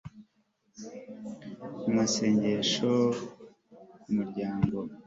Mu masengesho ku muryango